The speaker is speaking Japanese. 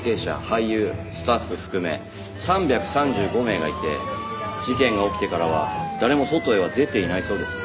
俳優スタッフ含め３３５名がいて事件が起きてからは誰も外へは出ていないそうです。